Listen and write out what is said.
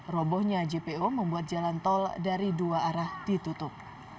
robohnya jpo membuat jalan tol dari dua arah ditutup